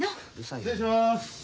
・失礼します。